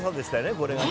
これがね。